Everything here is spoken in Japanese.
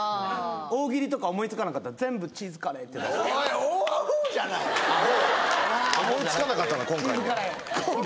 大喜利とか思いつかなかったら全部チーズカレーってだす思いつかなかったんだ